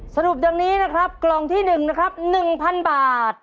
สรุปดังนี้นะครับกล่องที่๑นะครับ๑๐๐๐บาท